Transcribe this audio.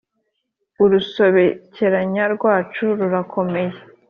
Urusobekerane rwacu rurakomeye.